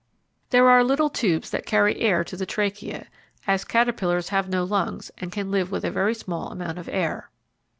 There are little tubes that carry air to the trachea, as caterpillars have no lungs and can live with a very small amount of air.